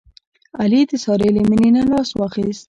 علي د سارې له مینې نه لاس واخیست.